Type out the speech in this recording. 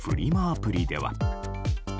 アプリでは。